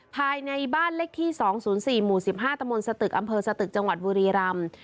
ภายในบ้านเลขที่๒๐๔หมู่๑๕ตมสตึกอำเภอสตึกจังหวัดบุรีรำ